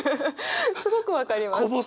すごく分かります。